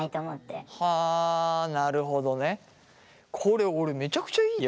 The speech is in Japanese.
いやめちゃくちゃいいよ。